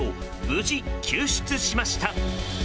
無事、救出しました。